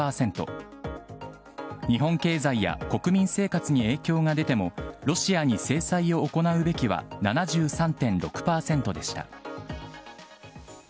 日本経済や国民生活に影響が出ても、ロシアに制裁を行うべきは７３．６％でした。